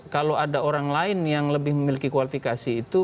kalau ada orang lain yang lebih memiliki kualifikasi itu